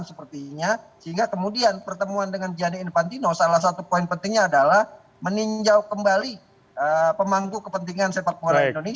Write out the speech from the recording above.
sehingga kemudian pertemuan dengan gianni infantino salah satu poin pentingnya adalah meninjau kembali pemangku kepentingan sepak bola indonesia